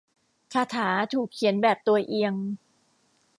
คาถาถูกเขียนแบบตัวเอียง